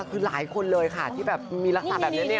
คือหลายคนเลยค่ะที่แบบมีลักษณะแบบนี้เนี่ย